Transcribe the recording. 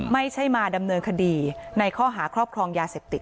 ไม่ใช่มาดำเนินคดีในข้อหาครอบครองยาเสพติด